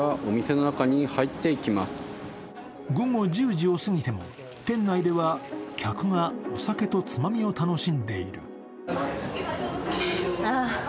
午後１０時を過ぎても、店内では客がお酒とつまみを楽しんでいる。